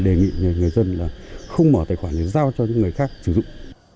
đề nghị người dân là không mở tài khoản để giao cho những người khác sử dụng